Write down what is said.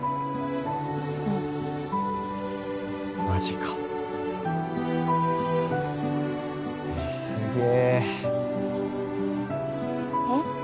うんマジかすげええっ？